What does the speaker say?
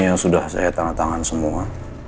ini yang sudah saya tangan tangan semua